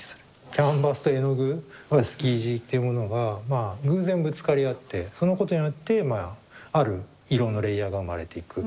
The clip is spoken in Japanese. キャンバスと絵の具スキージっていうものが偶然ぶつかり合ってそのことによってある色のレイヤーが生まれていく。